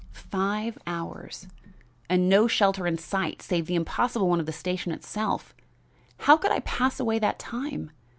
"Five hours! and no shelter in sight save the impossible one of the station itself. How could I pass away that time!